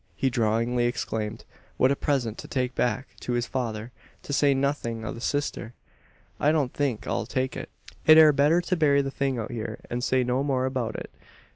he drawlingly exclaimed, "what a present to take back to his father, to say nothin' o' the sister! I don't think I'll take it. It air better to bury the thing out hyur, an say no more abeout it.